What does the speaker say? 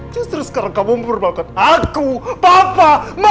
justru sekarang kamu memperbaikan aku papa mama